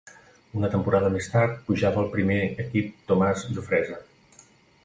Una temporada més tard pujava al primer equip Tomàs Jofresa.